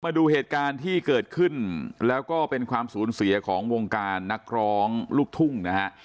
มาดูเหตุการณ์ที่เกิดขึ้นแล้วก็เป็นความสูญเสียของวงการนักร้องลูกทุ่งนะฮะ